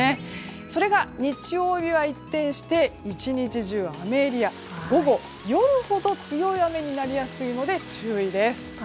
それが日曜には一転して１日中雨エリア午後、夜ほど、強い雨になりやすいので注意です。